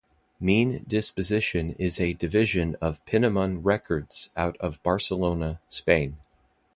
Mean Disposition is a division of Penniman Records out of Barcelona, Spain.